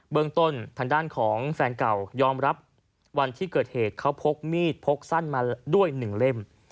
เมืองต้นทางด้านของแฟนเก่ายอมรับวันที่เกิดเหตุเขาพกมีดพกสั้นมาด้วย๑เล่ม